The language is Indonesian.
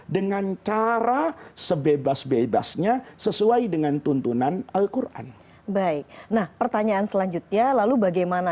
dengan cara sebebas bebasnya sesuai dengan tuntunan al quran baik nah pertanyaan selanjutnya lalu bagaimana